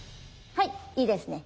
はいいいですね。